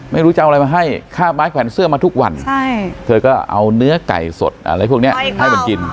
ไม่รู้จะเอาอะไรมาให้ค่าไม้แขวนเสื้อมาทุกวันเธอก็เอาเนื้อไก่สดอะไรพวกนี้ให้มันกิน